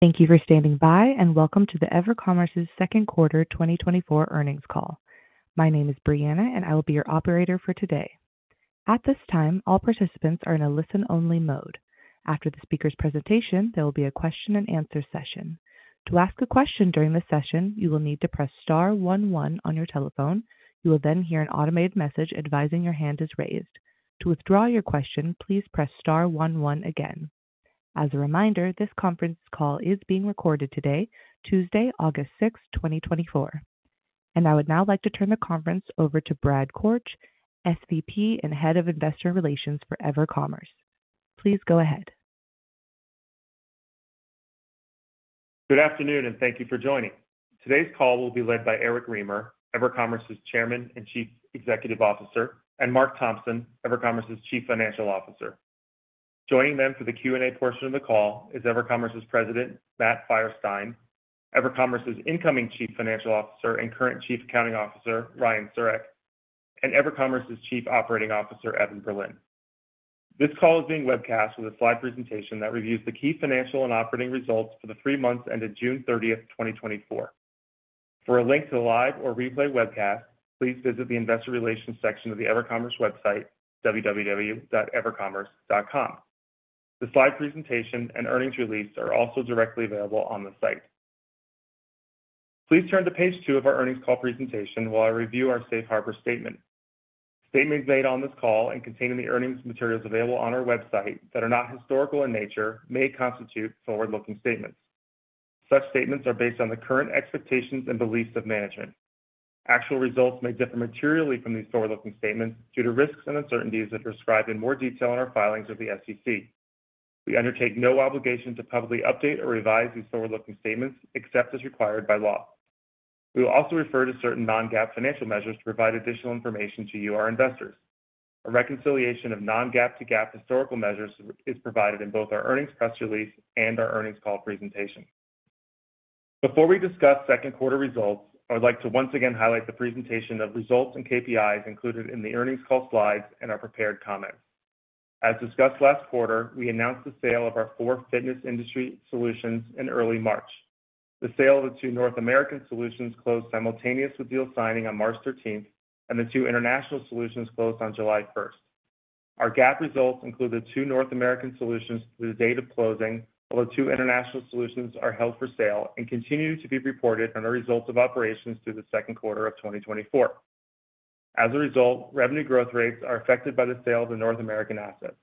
Thank you for standing by, and welcome to the EverCommerce's Second Quarter 2024 Earnings Call. My name is Brianna, and I will be your operator for today. At this time, all participants are in a listen-only mode. After the speaker's presentation, there will be a question-and-answer session. To ask a question during the session, you will need to press star 1 1 on your telephone. You will then hear an automated message advising your hand is raised. To withdraw your question, please press star one 1 again. As a reminder, this conference call is being recorded today, Tuesday, August 6, 2024. I would now like to turn the conference over to Brad Korch, SVP and Head of Investor Relations for EverCommerce. Please go ahead. Good afternoon, and thank you for joining. Today's call will be led by Eric Remer, EverCommerce's Chairman and Chief Executive Officer, and Marc Thompson, EverCommerce's Chief Financial Officer. Joining them for the Q&A portion of the call is EverCommerce's President, Matt Feierstein, EverCommerce's incoming Chief Financial Officer and current Chief Accounting Officer, Ryan Siurek, and EverCommerce's Chief Operating Officer, Evan Berlin. This call is being webcast with a slide presentation that reviews the key financial and operating results for the three months ended June 30, 2024. For a link to the live or replay webcast, please visit the investor relations section of the EverCommerce website, www.evercommerce.com. The slide presentation and earnings release are also directly available on the site. Please turn to page 2 of our earnings call presentation while I review our safe harbor statement. Statements made on this call and contained in the earnings materials available on our website that are not historical in nature may constitute forward-looking statements. Such statements are based on the current expectations and beliefs of management. Actual results may differ materially from these forward-looking statements due to risks and uncertainties that are described in more detail in our filings with the SEC. We undertake no obligation to publicly update or revise these forward-looking statements except as required by law. We will also refer to certain non-GAAP financial measures to provide additional information to you, our investors. A reconciliation of non-GAAP to GAAP historical measures is provided in both our earnings press release and our earnings call presentation. Before we discuss second quarter results, I would like to once again highlight the presentation of results and KPIs included in the earnings call slides and our prepared comments. As discussed last quarter, we announced the sale of our 4 fitness industry solutions in early March. The sale of the 2 North American solutions closed simultaneously with deal signing on March thirteenth, and the 2 international solutions closed on July first. Our GAAP results include the 2 North American solutions through the date of closing, while the 2 international solutions are held for sale and continue to be reported on our results of operations through the second quarter of 2024. As a result, revenue growth rates are affected by the sale of the North American assets.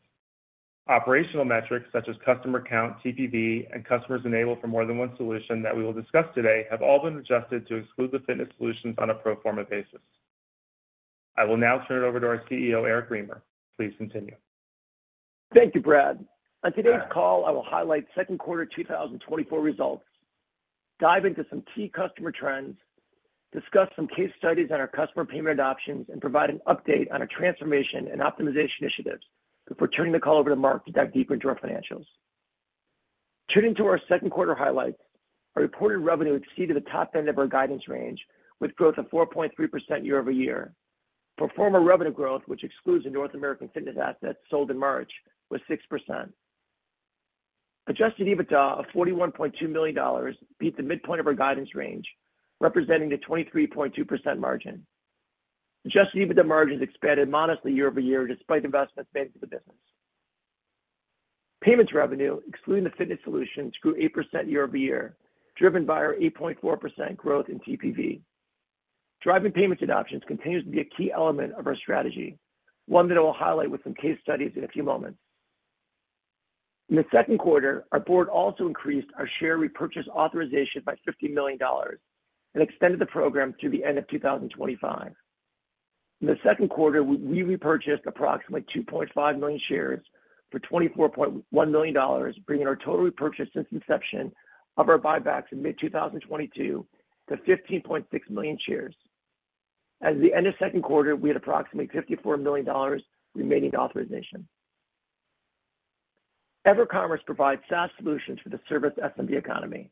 Operational metrics such as customer count, TPV, and customers enabled for more than one solution that we will discuss today have all been adjusted to exclude the fitness solutions on a pro forma basis. I will now turn it over to our CEO, Eric Remer. Please continue. Thank you, Brad. On today's call, I will highlight second quarter 2024 results, dive into some key customer trends, discuss some case studies on our customer payment options, and provide an update on our transformation and optimization initiatives before turning the call over to Marc to dive deeper into our financials. Turning to our second quarter highlights, our reported revenue exceeded the top end of our guidance range with growth of 4.3% year-over-year. Pro forma revenue growth, which excludes the North American fitness assets sold in March, was 6%. Adjusted EBITDA of $41.2 million beat the midpoint of our guidance range, representing the 23.2% margin. Adjusted EBITDA margins expanded modestly year-over-year, despite investments made to the business. Payments revenue, excluding the fitness solutions, grew 8% year-over-year, driven by our 8.4% growth in TPV. Driving payments adoptions continues to be a key element of our strategy, one that I will highlight with some case studies in a few moments. In the second quarter, our board also increased our share repurchase authorization by $50 million and extended the program through the end of 2025. In the second quarter, we repurchased approximately 2.5 million shares for $24.1 million, bringing our total repurchase since inception of our buybacks in mid-2022 to 15.6 million shares. As of the end of second quarter, we had approximately $54 million remaining authorization. EverCommerce provides SaaS solutions for the service SMB economy.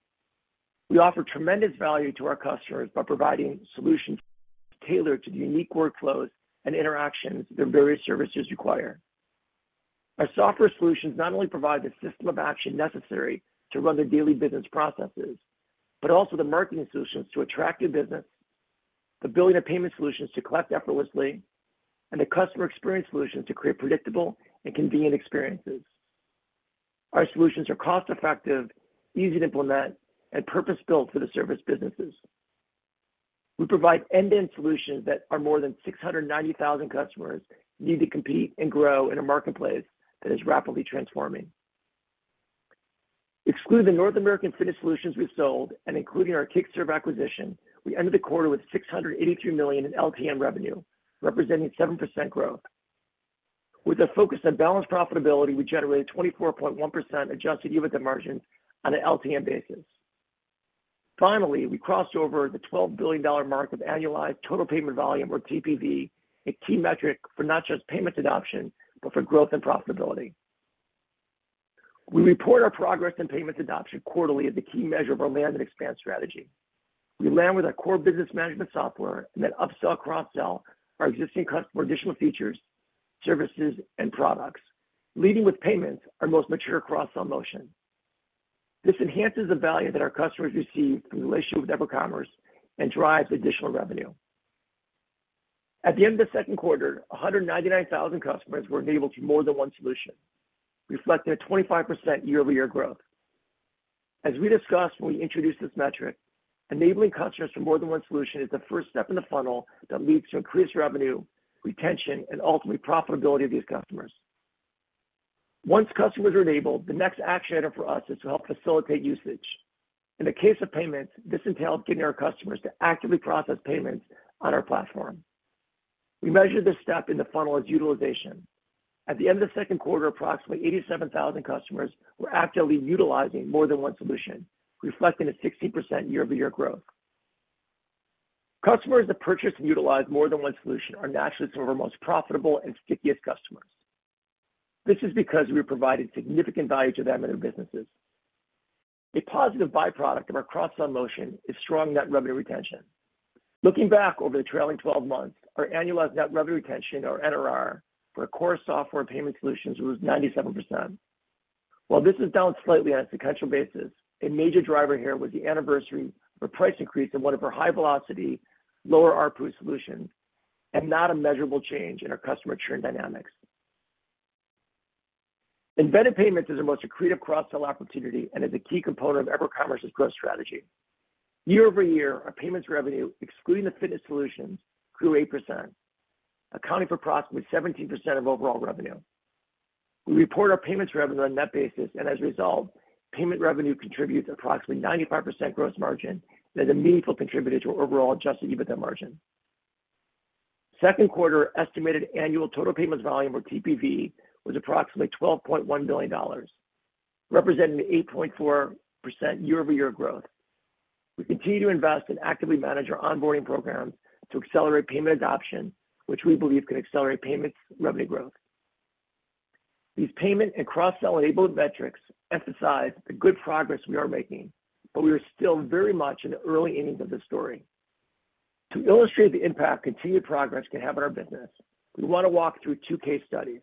We offer tremendous value to our customers by providing solutions tailored to the unique workflows and interactions their various services require. Our software solutions not only provide the system of action necessary to run their daily business processes, but also the marketing solutions to attract new business, the billing and payment solutions to collect effortlessly, and the customer experience solutions to create predictable and convenient experiences. Our solutions are cost-effective, easy to implement, and purpose-built for the service businesses. We provide end-to-end solutions that our more than 690,000 customers need to compete and grow in a marketplace that is rapidly transforming. Excluding North American fitness solutions we sold and including our Kickserv acquisition, we ended the quarter with $683 million in LTM revenue, representing 7% growth. With a focus on balanced profitability, we generated 24.1% Adjusted EBITDA margin on an LTM basis. Finally, we crossed over the $12 billion mark of annualized total payment volume, or TPV, a key metric for not just payments adoption, but for growth and profitability. We report our progress in payments adoption quarterly as a key measure of our land and expand strategy. We land with our core business management software and then upsell, cross-sell our existing customers additional features, services, and products, leading with payments, our most mature cross-sell motion. This enhances the value that our customers receive from the relationship with EverCommerce and drives additional revenue. At the end of the second quarter, 199,000 customers were enabled to more than one solution, reflecting a 25% year-over-year growth. As we discussed when we introduced this metric, enabling customers to more than one solution is the first step in the funnel that leads to increased revenue, retention, and ultimately profitability of these customers. Once customers are enabled, the next action item for us is to help facilitate usage. In the case of payments, this entails getting our customers to actively process payments on our platform. We measure this step in the funnel as utilization. At the end of the second quarter, approximately 87,000 customers were actively utilizing more than one solution, reflecting a 16% year-over-year growth. Customers that purchase and utilize more than one solution are naturally some of our most profitable and stickiest customers. This is because we've provided significant value to them and their businesses. A positive byproduct of our cross-sell motion is strong net revenue retention. Looking back over the trailing twelve months, our annualized net revenue retention, or NRR, for our core software payment solutions was 97%. While this is down slightly on a sequential basis, a major driver here was the anniversary of a price increase in one of our high-velocity, lower ARPU solutions, and not a measurable change in our customer churn dynamics. Embedded payments is our most accretive cross-sell opportunity and is a key component of EverCommerce's growth strategy. Year-over-year, our payments revenue, excluding the fitness solutions, grew 8%, accounting for approximately 17% of overall revenue. We report our payments revenue on net basis, and as a result, payment revenue contributes approximately 95% gross margin and is a meaningful contributor to our overall adjusted EBITDA margin. Second quarter estimated annual total payments volume, or TPV, was approximately $12.1 billion, representing an 8.4% year-over-year growth. We continue to invest and actively manage our onboarding programs to accelerate payment adoption, which we believe can accelerate payments revenue growth. These payment and cross-sell enabled metrics emphasize the good progress we are making, but we are still very much in the early innings of this story. To illustrate the impact continued progress can have on our business, we want to walk through two case studies,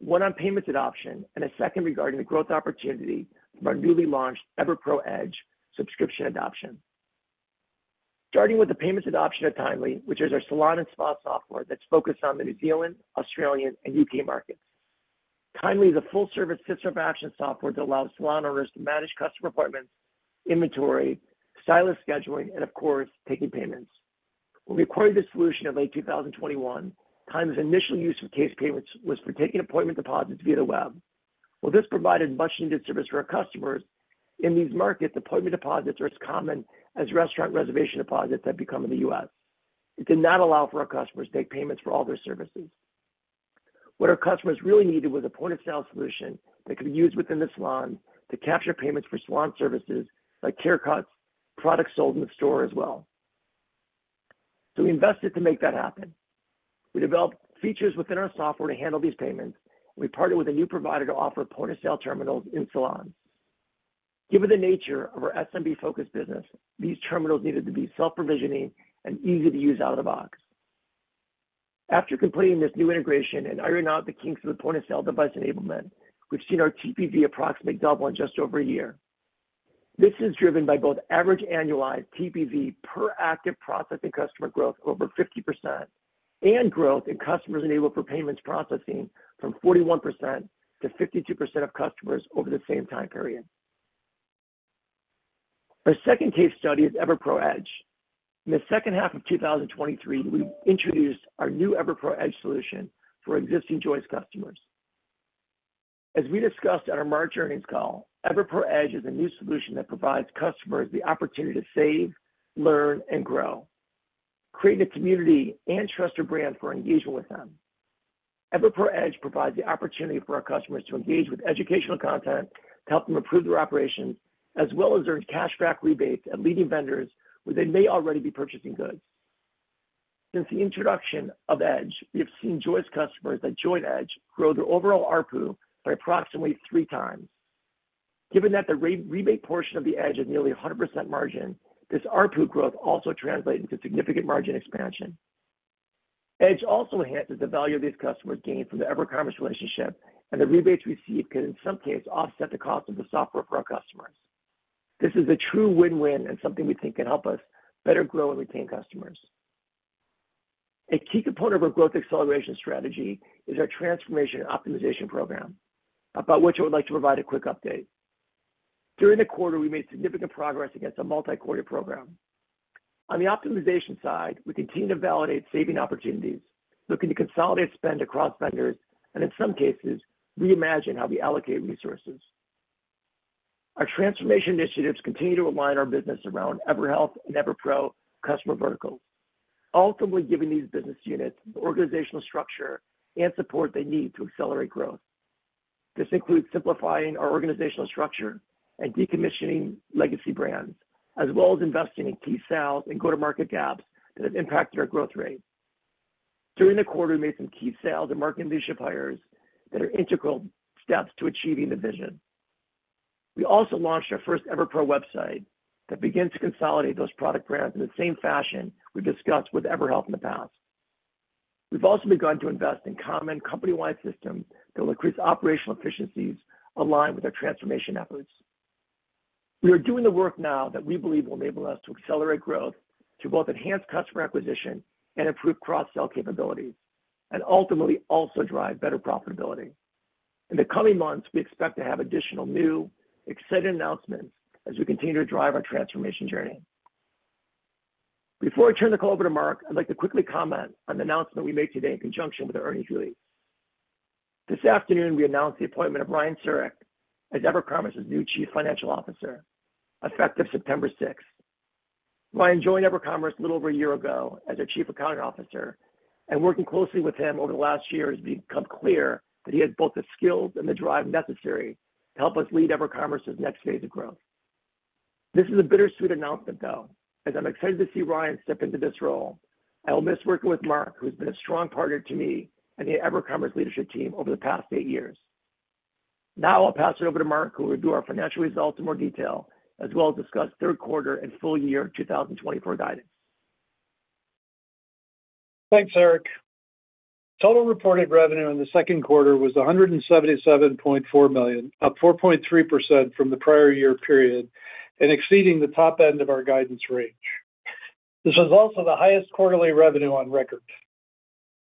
one on payments adoption and a second regarding the growth opportunity of our newly launched EverPro Edge subscription adoption. Starting with the payments adoption at Timely, which is our salon and spa software that's focused on the New Zealand, Australian, and UK markets. Timely is a full-service system of action software that allows salon owners to manage customer appointments, inventory, stylist scheduling, and of course, taking payments. When we acquired this solution in late 2021, Timely's initial use case payments was for taking appointment deposits via the web. While this provided much-needed service for our customers, in these markets, appointment deposits are as common as restaurant reservation deposits have become in the U.S. It did not allow for our customers to take payments for all their services. What our customers really needed was a point-of-sale solution that could be used within the salon to capture payments for salon services, like haircuts, products sold in the store as well. So we invested to make that happen. We developed features within our software to handle these payments. We partnered with a new provider to offer point-of-sale terminals in salons. Given the nature of our SMB-focused business, these terminals needed to be self-provisioning and easy to use out of the box. After completing this new integration and ironing out the kinks of the point-of-sale device enablement, we've seen our TPV approximately double in just over a year. This is driven by both average annualized TPV per active processing customer growth over 50% and growth in customers enabled for payments processing from 41% to 52% of customers over the same time period. Our second case study is EverPro Edge. In the second half of 2023, we introduced our new EverPro Edge solution for existing Joist customers. As we discussed on our March earnings call, EverPro Edge is a new solution that provides customers the opportunity to save, learn, and grow, create a community and trust our brand for engagement with them. EverPro Edge provides the opportunity for our customers to engage with educational content, to help them improve their operations, as well as earn cash back rebates at leading vendors where they may already be purchasing goods. Since the introduction of Edge, we have seen Joist customers that join Edge grow their overall ARPU by approximately 3x. Given that the rebate portion of the Edge is nearly 100% margin, this ARPU growth also translates into significant margin expansion. Edge also enhances the value of these customers gained from the EverCommerce relationship, and the rebates received can, in some cases, offset the cost of the software for our customers. This is a true win-win and something we think can help us better grow and retain customers. A key component of our growth acceleration strategy is our transformation and optimization program, about which I would like to provide a quick update. During the quarter, we made significant progress against a multi-quarter program. On the optimization side, we continue to validate saving opportunities, looking to consolidate spend across vendors, and in some cases, reimagine how we allocate resources. Our transformation initiatives continue to align our business around EverHealth and EverPro customer verticals, ultimately giving these business units the organizational structure and support they need to accelerate growth. This includes simplifying our organizational structure and decommissioning legacy brands, as well as investing in key sales and go-to-market gaps that have impacted our growth rate. During the quarter, we made some key sales and marketing leadership hires that are integral steps to achieving the vision. We also launched our first EverPro website that begins to consolidate those product brands in the same fashion we discussed with EverHealth in the past. We've also begun to invest in common company-wide systems that will increase operational efficiencies aligned with our transformation efforts. We are doing the work now that we believe will enable us to accelerate growth to both enhance customer acquisition and improve cross-sell capabilities, and ultimately also drive better profitability. In the coming months, we expect to have additional new, exciting announcements as we continue to drive our transformation journey. Before I turn the call over to Marc, I'd like to quickly comment on the announcement we made today in conjunction with the earnings release. This afternoon, we announced the appointment of Ryan Siurek as EverCommerce's new Chief Financial Officer, effective September sixth. Ryan joined EverCommerce a little over a year ago as our Chief Accounting Officer, and working closely with him over the last year, it's become clear that he has both the skills and the drive necessary to help us lead EverCommerce's next phase of growth. This is a bittersweet announcement, though, as I'm excited to see Ryan step into this role. I will miss working with Marc, who's been a strong partner to me and the EverCommerce leadership team over the past eight years. Now I'll pass it over to Marc, who will review our financial results in more detail, as well as discuss third quarter and full year 2024 guidance. Thanks, Eric. Total reported revenue in the second quarter was $177.4 million, up 4.3% from the prior year period and exceeding the top end of our guidance range. This is also the highest quarterly revenue on record.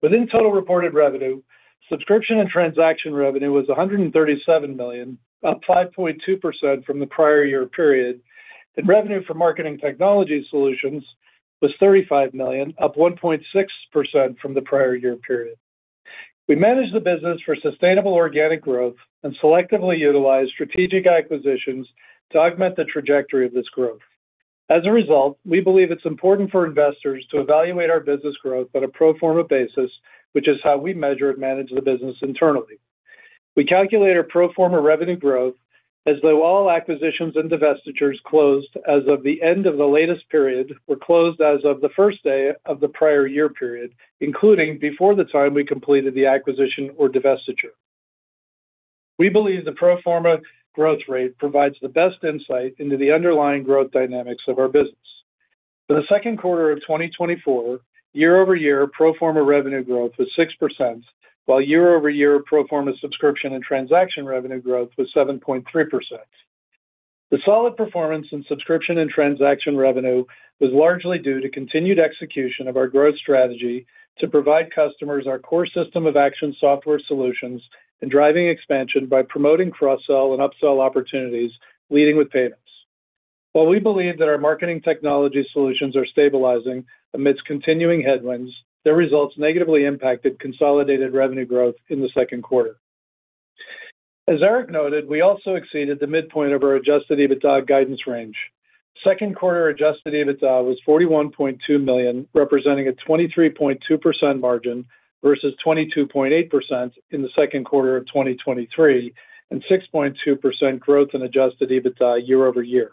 Within total reported revenue, subscription and transaction revenue was $137 million, up 5.2% from the prior year period, and revenue for marketing technology solutions was $35 million, up 1.6% from the prior year period. We managed the business for sustainable organic growth and selectively utilized strategic acquisitions to augment the trajectory of this growth. As a result, we believe it's important for investors to evaluate our business growth on a pro forma basis, which is how we measure and manage the business internally. We calculate our pro forma revenue growth as though all acquisitions and divestitures closed as of the end of the latest period were closed as of the first day of the prior year period, including before the time we completed the acquisition or divestiture. We believe the pro forma growth rate provides the best insight into the underlying growth dynamics of our business. For the second quarter of 2024, year-over-year pro forma revenue growth was 6%, while year-over-year pro forma subscription and transaction revenue growth was 7.3%. The solid performance in subscription and transaction revenue was largely due to continued execution of our growth strategy to provide customers our core system of action software solutions and driving expansion by promoting cross-sell and upsell opportunities, leading with payments. While we believe that our marketing technology solutions are stabilizing amidst continuing headwinds, their results negatively impacted consolidated revenue growth in the second quarter. As Eric noted, we also exceeded the midpoint of our adjusted EBITDA guidance range. Second quarter adjusted EBITDA was $41.2 million, representing a 23.2% margin versus 22.8% in the second quarter of 2023, and 6.2% growth in adjusted EBITDA year-over-year.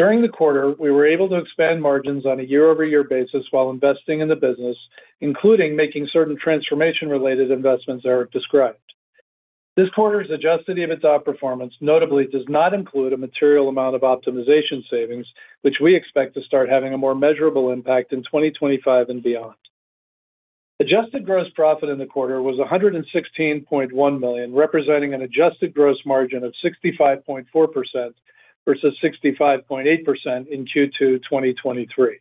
During the quarter, we were able to expand margins on a year-over-year basis while investing in the business, including making certain transformation-related investments Eric described. This quarter's adjusted EBITDA performance, notably, does not include a material amount of optimization savings, which we expect to start having a more measurable impact in 2025 and beyond. Adjusted gross profit in the quarter was $116.1 million, representing an adjusted gross margin of 65.4% versus 65.8% in Q2 2023.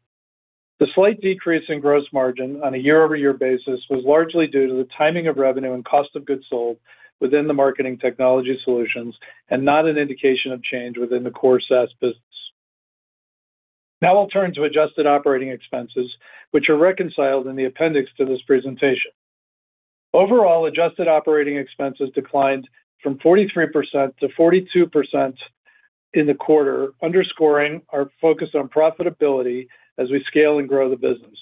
The slight decrease in gross margin on a year-over-year basis was largely due to the timing of revenue and cost of goods sold within the marketing technology solutions and not an indication of change within the core SaaS business. Now I'll turn to adjusted operating expenses, which are reconciled in the appendix to this presentation. Overall, adjusted operating expenses declined from 43% to 42% in the quarter, underscoring our focus on profitability as we scale and grow the business.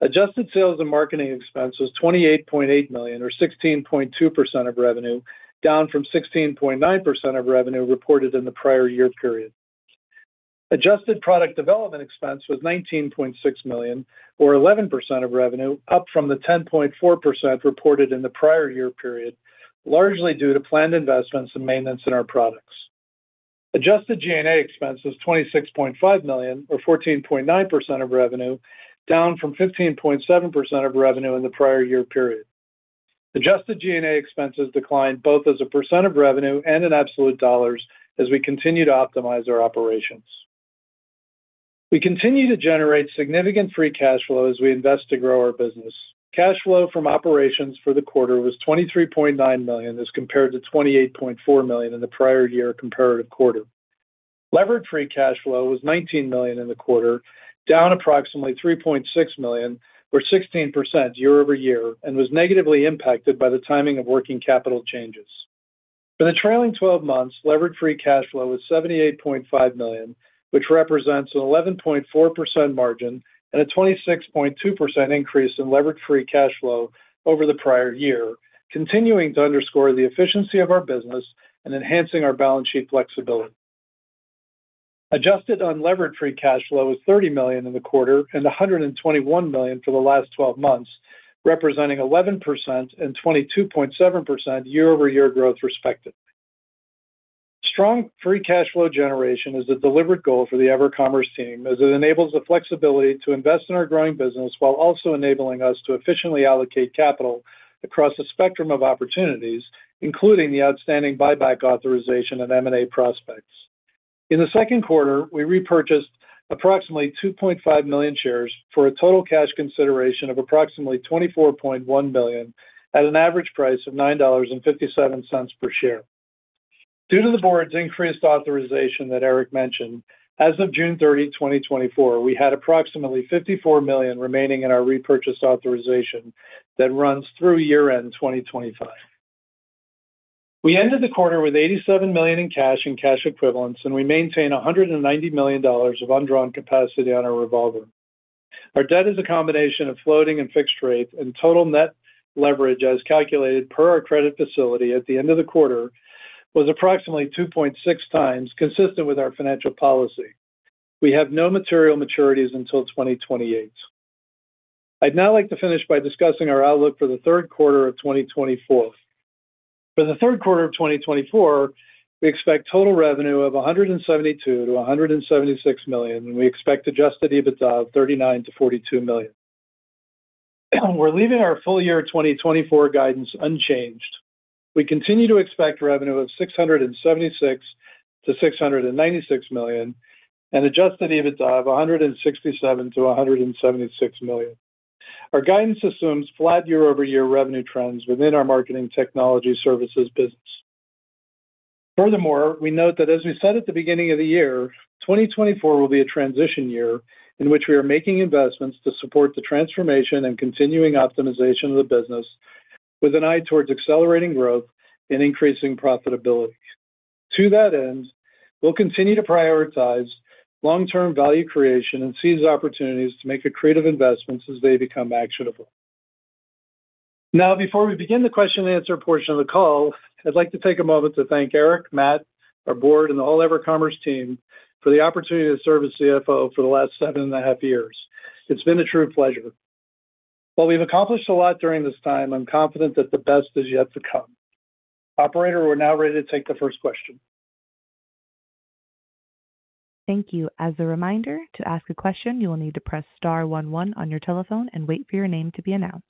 Adjusted sales and marketing expenses, $28.8 million or 16.2% of revenue, down from 16.9% of revenue reported in the prior year period. Adjusted product development expense was $19.6 million, or 11% of revenue, up from the 10.4% reported in the prior year period, largely due to planned investments and maintenance in our products. Adjusted G&A expenses, $26.5 million or 14.9% of revenue, down from 15.7% of revenue in the prior year period. Adjusted G&A expenses declined both as a percent of revenue and in absolute dollars as we continue to optimize our operations. We continue to generate significant free cash flow as we invest to grow our business. Cash flow from operations for the quarter was $23.9 million, as compared to $28.4 million in the prior year comparative quarter. Levered free cash flow was $19 million in the quarter, down approximately $3.6 million, or 16% year-over-year, and was negatively impacted by the timing of working capital changes. For the trailing twelve months, levered free cash flow was $78.5 million, which represents an 11.4% margin and a 26.2% increase in levered free cash flow over the prior year, continuing to underscore the efficiency of our business and enhancing our balance sheet flexibility. Adjusted unlevered free cash flow was $30 million in the quarter and $121 million for the last twelve months, representing 11% and 22.7% year-over-year growth respectively. Strong free cash flow generation is a deliberate goal for the EverCommerce team, as it enables the flexibility to invest in our growing business, while also enabling us to efficiently allocate capital across a spectrum of opportunities, including the outstanding buyback authorization and M&A prospects. In the second quarter, we repurchased approximately 2.5 million shares for a total cash consideration of approximately $24.1 million, at an average price of $9.57 per share. Due to the board's increased authorization that Eric mentioned, as of June 30, 2024, we had approximately $54 million remaining in our repurchase authorization that runs through year-end 2025. We ended the quarter with $87 million in cash and cash equivalents, and we maintain $190 million of undrawn capacity on our revolver. Our debt is a combination of floating and fixed rate, and total net leverage, as calculated per our credit facility at the end of the quarter, was approximately 2.6 times, consistent with our financial policy. We have no material maturities until 2028. I'd now like to finish by discussing our outlook for the third quarter of 2024. For the third quarter of 2024, we expect total revenue of $172 million-$176 million, and we expect Adjusted EBITDA of $39 million-$42 million. We're leaving our full year 2024 guidance unchanged. We continue to expect revenue of $676 million-$696 million, and Adjusted EBITDA of $167 million-$176 million. Our guidance assumes flat year-over-year revenue trends within our marketing technology services business. Furthermore, we note that as we said at the beginning of the year, 2024 will be a transition year in which we are making investments to support the transformation and continuing optimization of the business with an eye towards accelerating growth and increasing profitability. To that end, we'll continue to prioritize long-term value creation and seize opportunities to make accretive investments as they become actionable. Now, before we begin the question and answer portion of the call, I'd like to take a moment to thank Eric, Matt, our board and the whole EverCommerce team for the opportunity to serve as CFO for the last 7.5 years. It's been a true pleasure. While we've accomplished a lot during this time, I'm confident that the best is yet to come. Operator, we're now ready to take the first question. Thank you. As a reminder, to ask a question, you will need to press star one one on your telephone and wait for your name to be announced.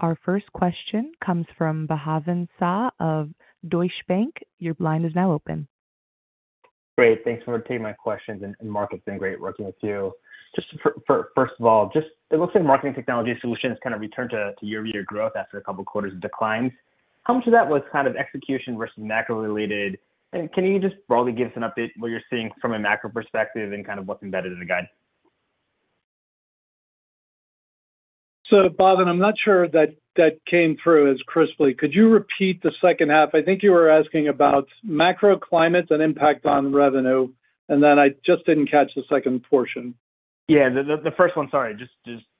Our first question comes from Bhavin Shah of Deutsche Bank. Your line is now open. Great. Thanks for taking my questions, and Marc, it's been great working with you. Just first of all, it looks like marketing technology solutions kind of returned to year-over-year growth after a couple of quarters of declines. How much of that was kind of execution versus macro-related? And can you just broadly give us an update what you're seeing from a macro perspective and kind of what's embedded in the guide? So, Bhavin, I'm not sure that that came through as crisply. Could you repeat the second half? I think you were asking about macro climates and impact on revenue, and then I just didn't catch the second portion. Yeah, the first one, sorry, just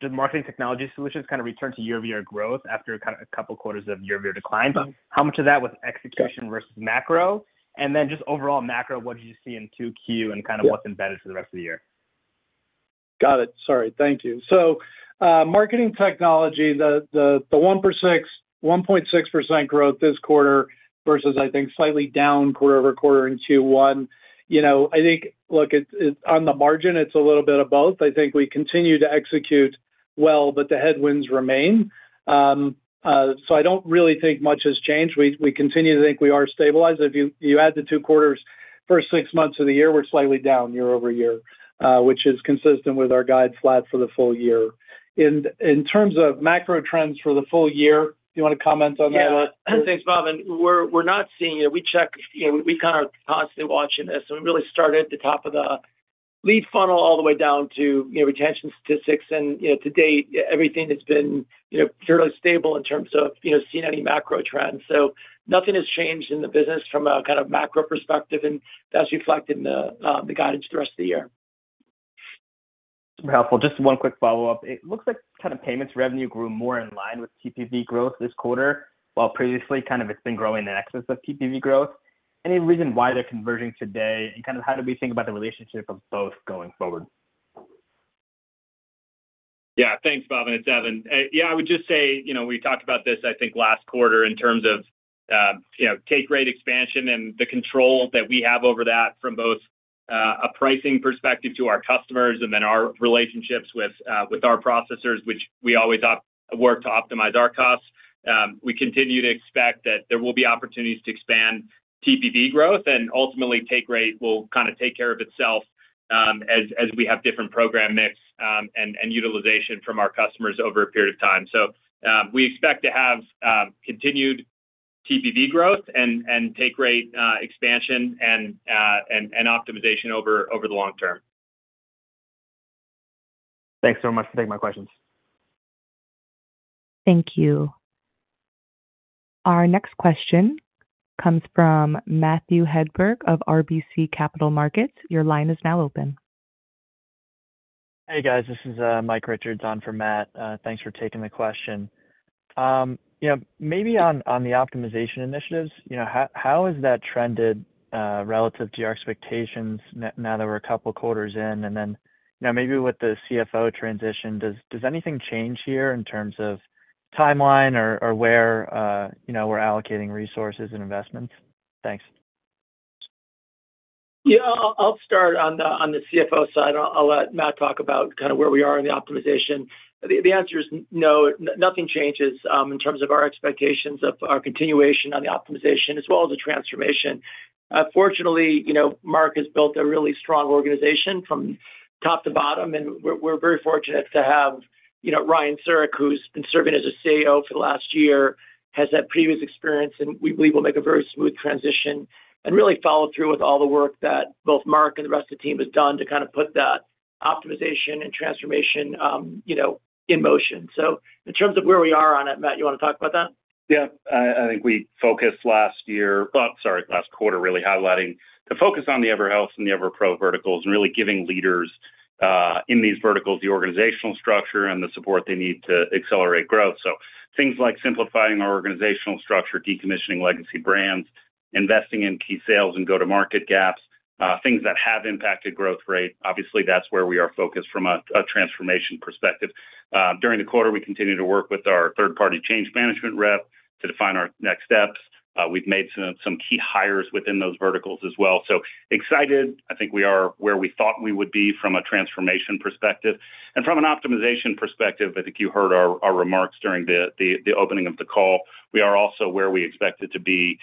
did marketing technology solutions kind of return to year-over-year growth after kind of a couple quarters of year-over-year decline? Uh-huh. How much of that was execution versus macro? And then just overall macro, what do you see in 2Q, and kind of- Yeah... what's embedded for the rest of the year? Got it. Sorry. Thank you. So, marketing technology, the 1.6% growth this quarter versus, I think, slightly down quarter-over-quarter in Q1. You know, I think, look, it's, it's on the margin, it's a little bit of both. I think we continue to execute well, but the headwinds remain. So, I don't really think much has changed. We continue to think we are stabilized. If you add the two quarters, first six months of the year, we're slightly down year-over-year, which is consistent with our guide flat for the full year. In terms of macro trends for the full year, do you wanna comment on that at all? Yeah. Thanks, Bhavin. We're, we're not seeing it. We check, you know, we kind of are constantly watching this, and we really start at the top of the lead funnel all the way down to, you know, retention statistics. And, you know, to date, everything has been, you know, fairly stable in terms of, you know, seeing any macro trends. So nothing has changed in the business from a kind of macro perspective, and that's reflected in the guidance the rest of the year. Helpful. Just one quick follow-up. It looks like kind of payments revenue grew more in line with TPV growth this quarter, while previously kind of it's been growing in excess of TPV growth. Any reason why they're converging today, and kind of how do we think about the relationship of both going forward? Yeah. Thanks, Bhavin, it's Evan. Yeah, I would just say, you know, we talked about this, I think, last quarter in terms of, you know, take rate expansion and the control that we have over that from both, a pricing perspective to our customers and then our relationships with, with our processors, which we always work to optimize our costs. We continue to expect that there will be opportunities to expand TPV growth, and ultimately take rate will kind of take care of itself, as we have different program mix, and utilization from our customers over a period of time. So, we expect to have continued TPV growth and take rate expansion and optimization over the long term. Thanks so much for taking my questions. Thank you. Our next question comes from Matthew Hedberg of RBC Capital Markets. Your line is now open.... Hey, guys, this is Mike Richards on for Matt. Thanks for taking the question. You know, maybe on the optimization initiatives, you know, how has that trended relative to your expectations now that we're a couple quarters in? And then, you know, maybe with the CFO transition, does anything change here in terms of timeline or where you know, we're allocating resources and investments? Thanks. Yeah, I'll start on the CFO side. I'll let Matt talk about kind of where we are in the optimization. The answer is no, nothing changes in terms of our expectations of our continuation on the optimization as well as the transformation. Fortunately, you know, Marc has built a really strong organization from top to bottom, and we're very fortunate to have, you know, Ryan Siurek, who's been serving as a COO for the last year, has that previous experience, and we believe will make a very smooth transition and really follow through with all the work that both Marc and the rest of the team has done to kind of put that optimization and transformation, you know, in motion. So in terms of where we are on it, Matt, you wanna talk about that? Yeah. I think we focused last year... Well, sorry, last quarter, really highlighting the focus on the EverHealth and the EverPro verticals and really giving leaders in these verticals the organizational structure and the support they need to accelerate growth. So things like simplifying our organizational structure, decommissioning legacy brands, investing in key sales and go-to-market gaps, things that have impacted growth rate. Obviously, that's where we are focused from a transformation perspective. During the quarter, we continued to work with our third-party change management rep to define our next steps. We've made some key hires within those verticals as well. So excited, I think we are where we thought we would be from a transformation perspective. And from an optimization perspective, I think you heard our remarks during the opening of the call. We are also where we expected to be,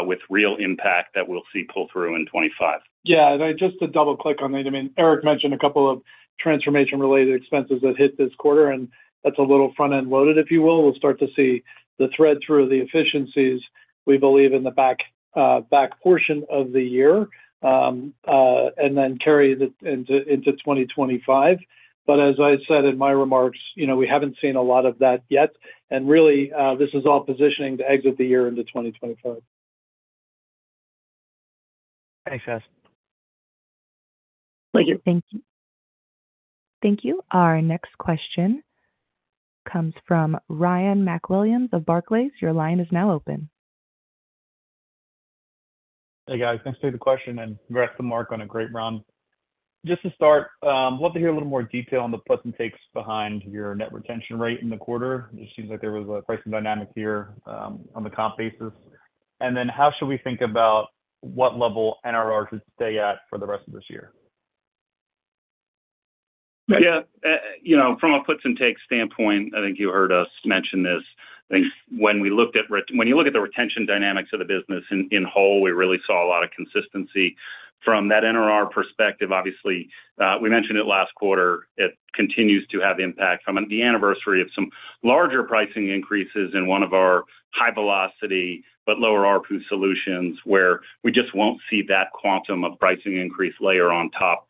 with real impact that we'll see pull through in 2025. Yeah, and I just to double-click on it, I mean, Eric mentioned a couple of transformation-related expenses that hit this quarter, and that's a little front-end loaded, if you will. We'll start to see the thread through the efficiencies, we believe, in the back, back portion of the year, and then carry it into, into 2025. But as I said in my remarks, you know, we haven't seen a lot of that yet, and really, this is all positioning to exit the year into 2025. Thanks, guys. Thank you. Thank you. Our next question comes from Ryan MacWilliams of Barclays. Your line is now open. Hey, guys. Thanks for the question, and congrats to Marc on a great run. Just to start, love to hear a little more detail on the puts and takes behind your net retention rate in the quarter. It seems like there was a pricing dynamic here, on the comp basis. And then how should we think about what level NRR should stay at for the rest of this year? Yeah, you know, from a puts and takes standpoint, I think you heard us mention this. I think when you look at the retention dynamics of the business in whole, we really saw a lot of consistency. From that NRR perspective, obviously, we mentioned it last quarter, it continues to have impact from the anniversary of some larger pricing increases in one of our high velocity, but lower ARPU solutions, where we just won't see that quantum of pricing increase layer on top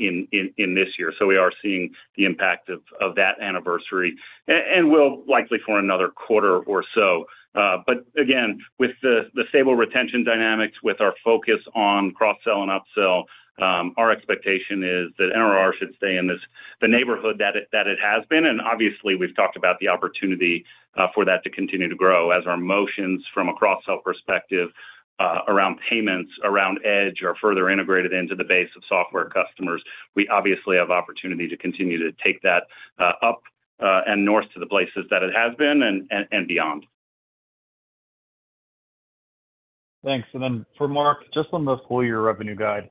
in this year. So we are seeing the impact of that anniversary and will likely for another quarter or so. But again, with the stable retention dynamics, with our focus on cross-sell and upsell, our expectation is that NRR should stay in the neighborhood that it has been. Obviously, we've talked about the opportunity for that to continue to grow as our motions from a cross-sell perspective around payments, around Edge, are further integrated into the base of software customers. We obviously have opportunity to continue to take that up and north to the places that it has been and beyond. Thanks. For Marc, just on the full year revenue guide,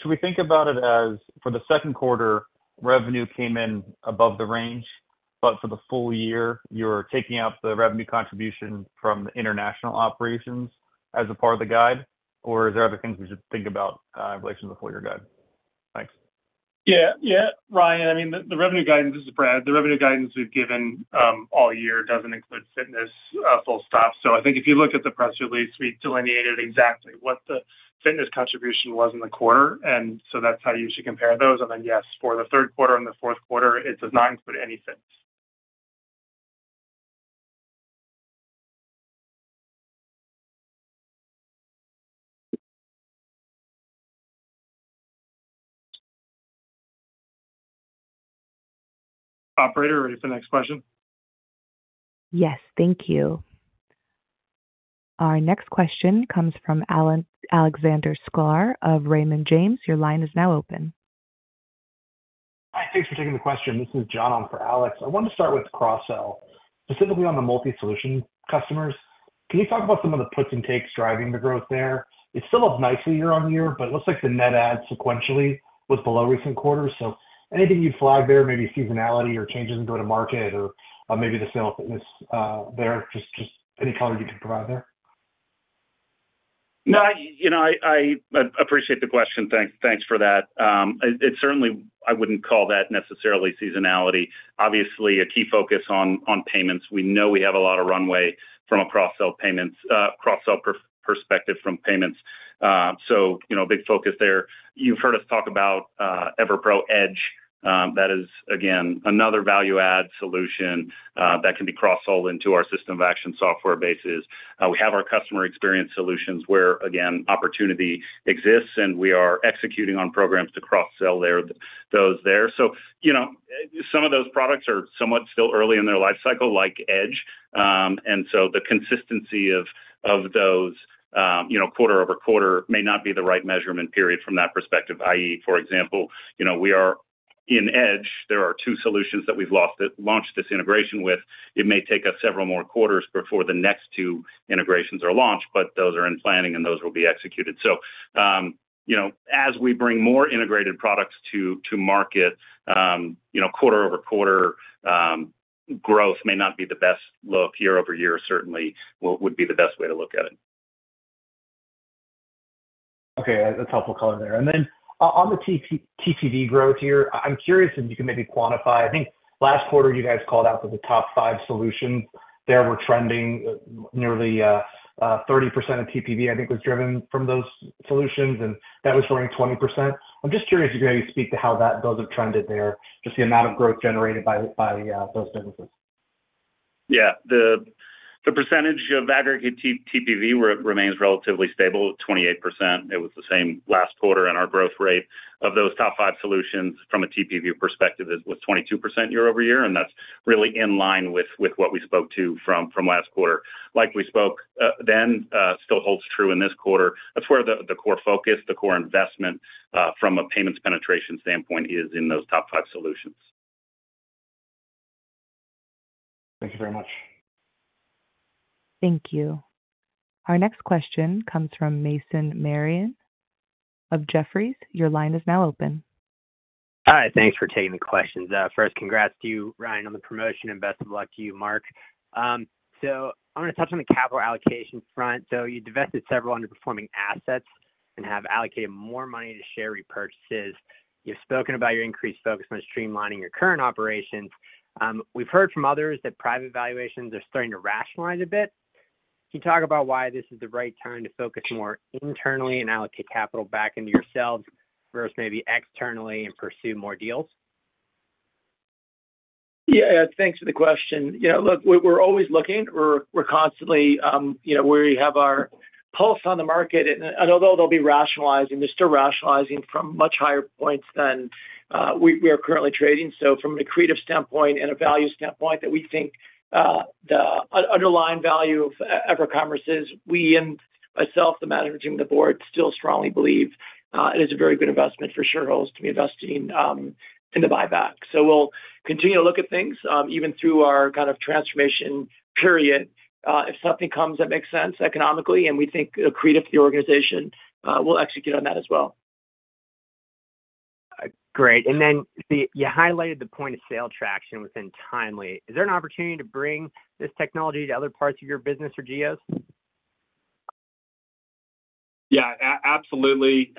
should we think about it as for the second quarter, revenue came in above the range, but for the full year, you're taking out the revenue contribution from the international operations as a part of the guide? Or are there other things we should think about in relation to the full year guide? Thanks. Yeah, yeah, Ryan, I mean, the revenue guidance... This is Brad. The revenue guidance we've given all year doesn't include fitness, full stop. So I think if you look at the press release, we delineated exactly what the fitness contribution was in the quarter, and so that's how you should compare those. And then, yes, for the third quarter and the fourth quarter, it does not include any fitness. Operator, ready for the next question? Yes. Thank you. Our next question comes from Alexander Sklar of Raymond James. Your line is now open. Hi, thanks for taking the question. This is John on for Alex. I wanted to start with cross-sell, specifically on the multi-solution customers. Can you talk about some of the puts and takes driving the growth there? It's still up nicely year-over-year, but it looks like the net add sequentially was below recent quarters. So anything you'd flag there, maybe seasonality or changes in go-to-market or, maybe the sale of fitness, there? Just any color you can provide there. No, you know, I appreciate the question. Thanks for that. It certainly, I wouldn't call that necessarily seasonality. Obviously, a key focus on payments. We know we have a lot of runway from a cross-sell payments, cross-sell perspective from payments. So you know, big focus there. You've heard us talk about EverPro Edge. That is, again, another value-add solution that can be cross-sold into our System of Action software bases. We have our customer experience solutions, where again, opportunity exists, and we are executing on programs to cross-sell there, those there. So you know, some of those products are somewhat still early in their life cycle, like Edge. And so the consistency of those, you know, quarter-over-quarter may not be the right measurement period from that perspective. I.e., for example, you know, we are in Edge, there are two solutions that we've launched this integration with. It may take us several more quarters before the next two integrations are launched, but those are in planning, and those will be executed. So, you know, as we bring more integrated products to market, you know, quarter-over-quarter, growth may not be the best look. Year-over-year, certainly, what would be the best way to look at it? Okay, that's a helpful color there. And then on the TPV growth here, I'm curious if you can maybe quantify. I think last quarter, you guys called out that the top 5 solutions there were trending nearly 30% of TPV, I think, was driven from those solutions, and that was growing 20%. I'm just curious if you may speak to how those have trended there, just the amount of growth generated by those businesses. Yeah. The percentage of aggregate TPV remains relatively stable at 28%. It was the same last quarter, and our growth rate of those top five solutions from a TPV perspective was 22% year-over-year, and that's really in line with what we spoke to from last quarter. Like we spoke then, still holds true in this quarter. That's where the core focus, the core investment from a payments penetration standpoint is in those top five solutions. Thank you very much. Thank you. Our next question comes from Mason Marion of Jefferies. Your line is now open. Hi, thanks for taking the questions. First, congrats to you, Ryan, on the promotion, and best of luck to you, Marc. I want to touch on the capital allocation front. You divested several underperforming assets and have allocated more money to share repurchases. You've spoken about your increased focus on streamlining your current operations. We've heard from others that private valuations are starting to rationalize a bit. Can you talk about why this is the right time to focus more internally and allocate capital back into yourselves versus maybe externally and pursue more deals? Yeah, thanks for the question. Yeah, look, we're, we're always looking. We're, we're constantly, you know, we have our pulse on the market, and, and although they'll be rationalizing, they're still rationalizing from much higher points than, we, we are currently trading. So from an accretive standpoint and a value standpoint, that we think, the underlying value of, EverCommerce is we and myself, the management, and the board, still strongly believe, it is a very good investment for shareholders to be investing, in the buyback. So we'll continue to look at things, even through our kind of transformation period. If something comes that makes sense economically and we think accretive to the organization, we'll execute on that as well. Great. And then you highlighted the point of sale traction within Timely. Is there an opportunity to bring this technology to other parts of your business or geos? Yeah, absolutely.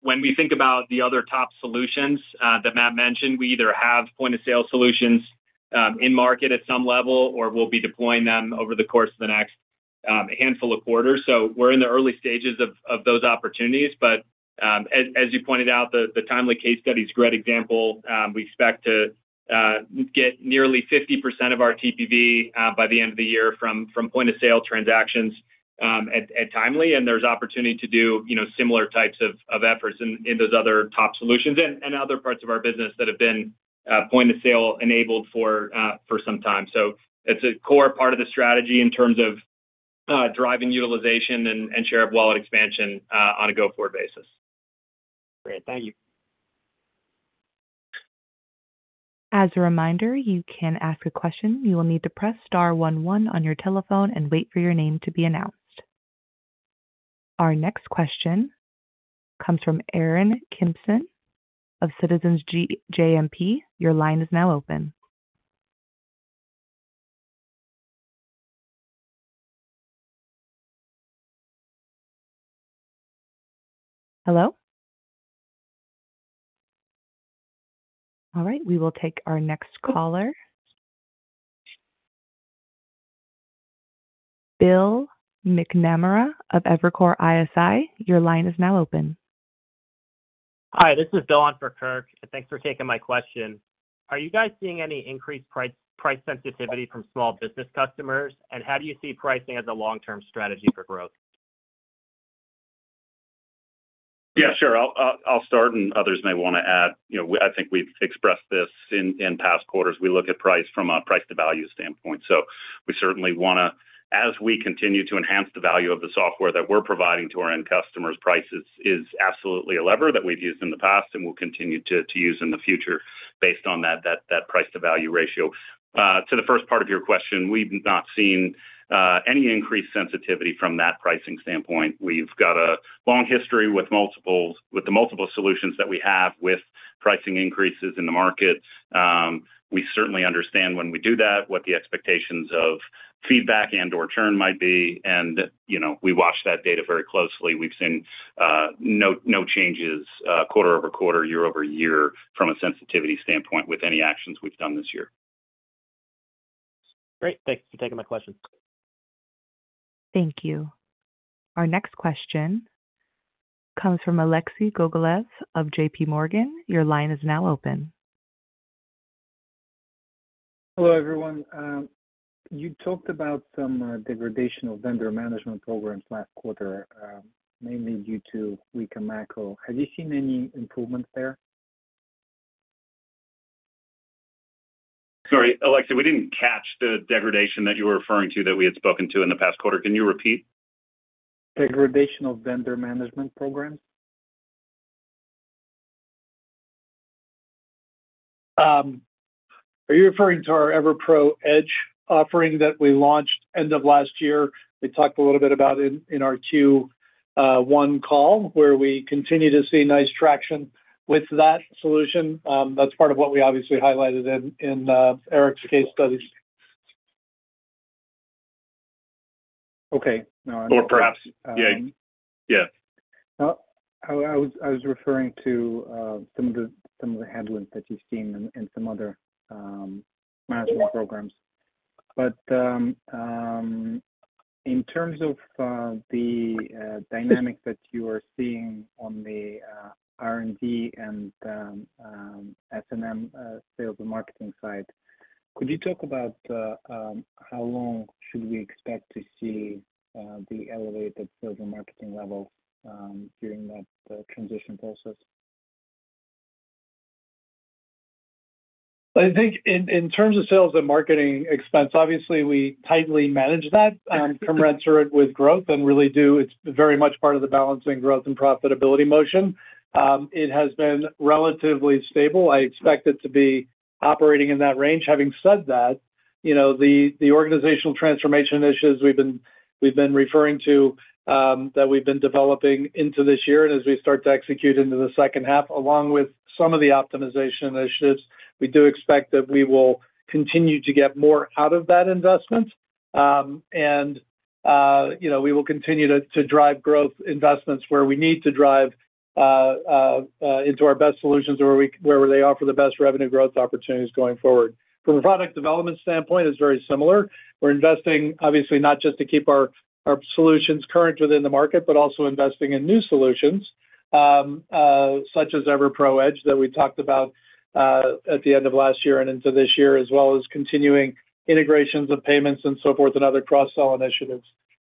When we think about the other top solutions that Matt mentioned, we either have point-of-sale solutions in market at some level, or we'll be deploying them over the course of the next handful of quarters. So we're in the early stages of those opportunities, but as you pointed out, the Timely case study is a great example. We expect to get nearly 50% of our TPV by the end of the year from point-of-sale transactions at Timely, and there's opportunity to do, you know, similar types of efforts in those other top solutions and other parts of our business that have been point-of-sale-enabled for some time. It's a core part of the strategy in terms of driving utilization and share of wallet expansion on a go-forward basis. Great. Thank you. As a reminder, you can ask a question. You will need to press star one one on your telephone and wait for your name to be announced. Our next question comes from Aaron Kimson of Citizens JMP. Your line is now open. Hello? All right, we will take our next caller. Bill McNamara of Evercore ISI, your line is now open. Hi, this is Bill on for Kirk, and thanks for taking my question. Are you guys seeing any increased price, price sensitivity from small business customers? And how do you see pricing as a long-term strategy for growth? Yeah, sure. I'll start, and others may wanna add. You know, we. I think we've expressed this in past quarters. We look at price from a price to value standpoint. So we certainly wanna, as we continue to enhance the value of the software that we're providing to our end customers, prices is absolutely a lever that we've used in the past and will continue to use in the future based on that price to value ratio. To the first part of your question, we've not seen any increased sensitivity from that pricing standpoint. We've got a long history with multiples, with the multiple solutions that we have with pricing increases in the markets. We certainly understand when we do that, what the expectations of feedback and/or churn might be, and, you know, we watch that data very closely. We've seen no, no changes quarter-over-quarter, year-over-year, from a sensitivity standpoint with any actions we've done this year. Great. Thanks for taking my question. Thank you. Our next question comes from Alexei Gogolev of J.P. Morgan. Your line is now open.... Hello, everyone. You talked about some degradation of vendor management programs last quarter, mainly due to weaker macro. Have you seen any improvements there? Sorry, Alexei, we didn't catch the degradation that you were referring to that we had spoken to in the past quarter. Can you repeat? Degradation of vendor management programs. Are you referring to our EverPro Edge offering that we launched end of last year? We talked a little bit about it in our Q1 call, where we continue to see nice traction with that solution. That's part of what we obviously highlighted in Eric's case studies. Okay. Or perhaps, yeah. Yeah. I was referring to some of the headwinds that you've seen in some other management programs. But in terms of the dynamics that you are seeing on the R&D and S&M, sales and marketing side, could you talk about how long should we expect to see the elevated sales and marketing level during that transition process? I think in terms of sales and marketing expense, obviously, we tightly manage that, commensurate with growth and really do... It's very much part of the balancing growth and profitability motion. It has been relatively stable. I expect it to be operating in that range. Having said that, you know, the organizational transformation initiatives we've been referring to, that we've been developing into this year, and as we start to execute into the second half, along with some of the optimization initiatives, we do expect that we will continue to get more out of that investment. And you know, we will continue to drive growth investments where we need to drive into our best solutions where they offer the best revenue growth opportunities going forward. From a product development standpoint, it's very similar. We're investing, obviously, not just to keep our solutions current within the market, but also investing in new solutions, such as EverPro Edge, that we talked about at the end of last year and into this year, as well as continuing integrations of payments and so forth, and other cross-sell initiatives.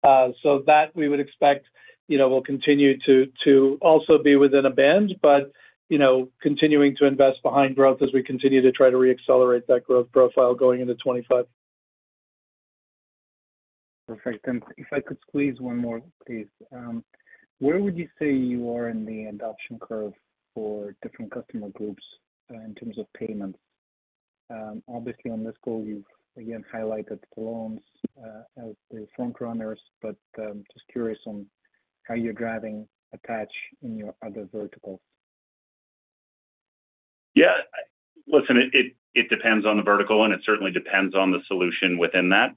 So that we would expect, you know, will continue to also be within a band, but, you know, continuing to invest behind growth as we continue to try to reaccelerate that growth profile going into 2025. Perfect. And if I could squeeze one more, please. Where would you say you are in the adoption curve for different customer groups, in terms of payments? Obviously, on this call, you've again highlighted loans, as the front runners, but, just curious on how you're driving attach in your other verticals. Yeah. Listen, it depends on the vertical, and it certainly depends on the solution within that.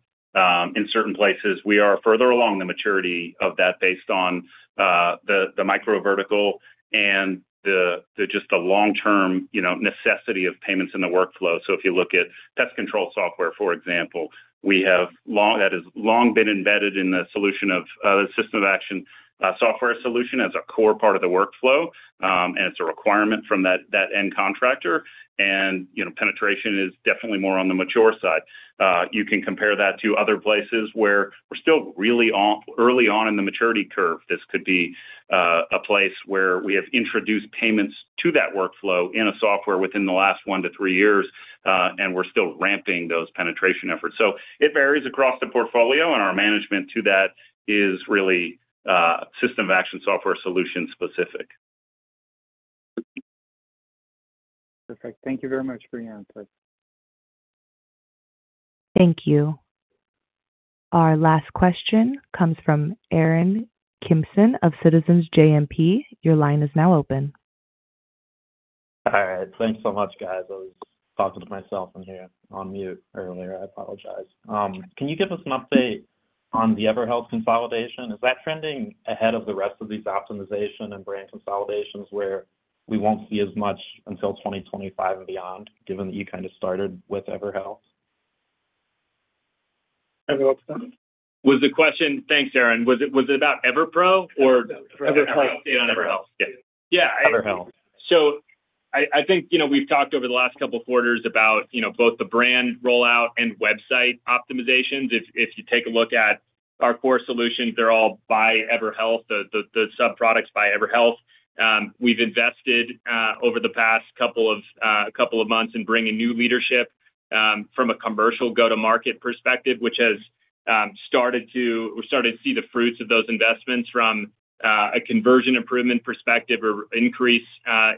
In certain places, we are further along the maturity of that based on the micro vertical and just the long-term, you know, necessity of payments in the workflow. So if you look at pest control software, for example, that has long been embedded in the solution of system of action software solution as a core part of the workflow, and it's a requirement from that end contractor. And, you know, penetration is definitely more on the mature side. You can compare that to other places where we're still really early on in the maturity curve. This could be a place where we have introduced payments to that workflow in a software within the last 1-3 years, and we're still ramping those penetration efforts. So it varies across the portfolio, and our management to that is really System of Action, software solution specific. Perfect. Thank you very much for your answer. Thank you. Our last question comes from Aaron Kimson of Citizens JMP. Your line is now open. All right. Thanks so much, guys. I was talking to myself in here on mute earlier. I apologize. Can you give us an update on the EverHealth consolidation? Is that trending ahead of the rest of these optimization and brand consolidations, where we won't see as much until 2025 and beyond, given that you kind of started with EverHealth? Was the question... Thanks, Aaron. Was it, was it about EverPro or EverHealth? Yeah. Everhealth. So I think, you know, we've talked over the last couple of quarters about, you know, both the brand rollout and website optimizations. If you take a look at our core solutions, they're all by EverHealth, the subproducts by EverHealth. We've invested over the past couple of months in bringing new leadership from a commercial go-to-market perspective, which has started to- we're starting to see the fruits of those investments from a conversion improvement perspective or increase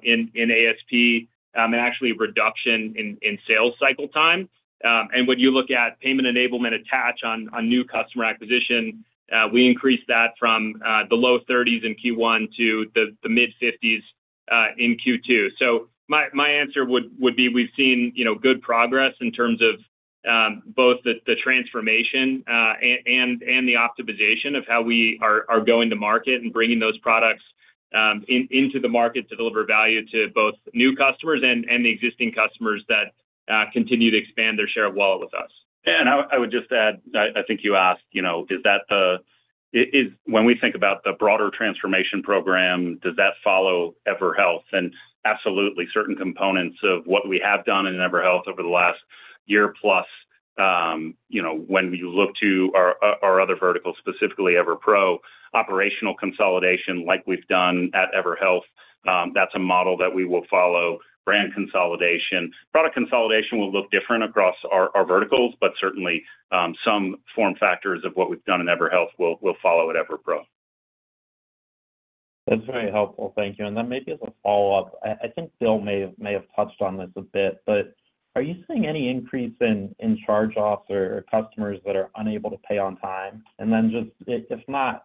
in ASP, and actually reduction in sales cycle time. And when you look at payment enablement attach on new customer acquisition, we increased that from the low 30s in Q1 to the mid-50s in Q2. So my answer would be we've seen, you know, good progress in terms of both the transformation and the optimization of how we are going to market and bringing those products into the market to deliver value to both new customers and the existing customers that continue to expand their share of wallet with us.... And I would just add, I think you asked, you know, is that—is when we think about the broader transformation program, does that follow EverHealth? And absolutely, certain components of what we have done in EverHealth over the last year plus, you know, when you look to our other verticals, specifically EverPro, operational consolidation, like we've done at EverHealth, that's a model that we will follow. Brand consolidation. Product consolidation will look different across our verticals, but certainly, some form factors of what we've done in EverHealth will follow at EverPro. That's very helpful. Thank you. And then maybe as a follow-up, I think Bill may have touched on this a bit, but are you seeing any increase in charge-offs or customers that are unable to pay on time? And then just if not,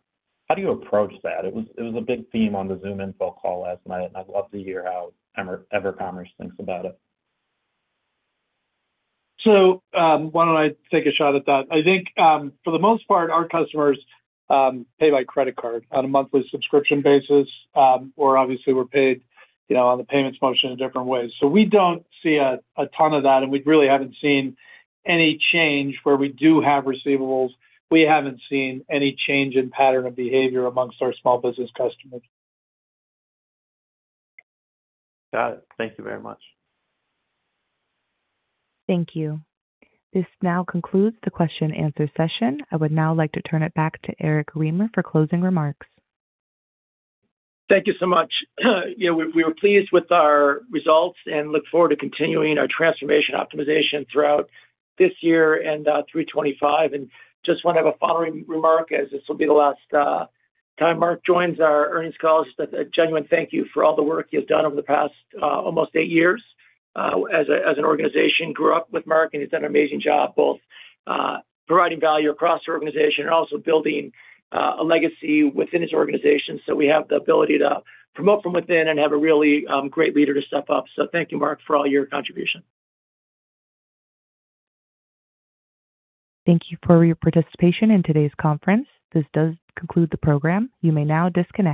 how do you approach that? It was a big theme on the ZoomInfo call last night, and I'd love to hear how EverCommerce thinks about it. So, why don't I take a shot at that? I think, for the most part, our customers pay by credit card on a monthly subscription basis, or obviously we're paid, you know, on the payments motion in different ways. So we don't see a ton of that, and we really haven't seen any change where we do have receivables. We haven't seen any change in pattern of behavior among our small business customers. Got it. Thank you very much. Thank you. This now concludes the question and answer session. I would now like to turn it back to Eric Remer for closing remarks. Thank you so much. Yeah, we, we were pleased with our results and look forward to continuing our transformation optimization throughout this year and, through 2025. And just wanna have a following remark, as this will be the last, time Marc joins our earnings calls. Just a, a genuine thank you for all the work you've done over the past, almost eight years. As a, as an organization, grew up with Marc, and he's done an amazing job, both, providing value across the organization and also building, a legacy within his organization. So we have the ability to promote from within and have a really, great leader to step up. So thank you, Marc, for all your contribution. Thank you for your participation in today's conference. This does conclude the program. You may now disconnect.